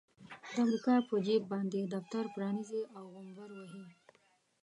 د امريکا په جيب باندې دفتر پرانيزي او غومبر وهي.